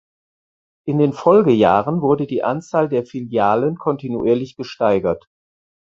In den Folgejahren wurde die Anzahl der Filialen kontinuierlich gesteigert.